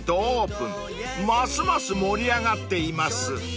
［ますます盛り上がっています］